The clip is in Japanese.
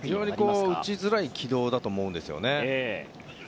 非常に打ちづらい軌道だと思うんですよね。